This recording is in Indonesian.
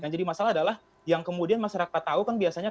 jadi masalah adalah yang kemudian masyarakat tahu kan biasanya